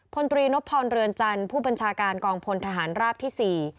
พลตรีนพรเรือนจันทร์ผู้บัญชาการกองพลทหารราบที่๔